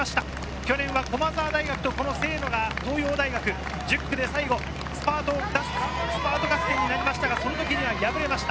去年は駒澤大学と清野・東洋大学が１０区で最後、スパート合戦になりましたが、その時には敗れました。